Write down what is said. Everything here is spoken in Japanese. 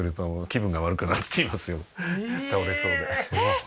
倒れそうでえっ！